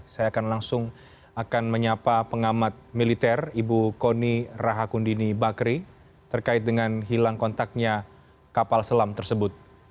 saya akan langsung akan menyapa pengamat militer ibu kony rahakundini bakri terkait dengan hilang kontaknya kapal selam tersebut